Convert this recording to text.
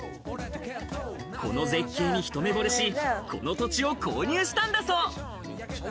この絶景に一目ぼれし、この土地を購入したんだそう。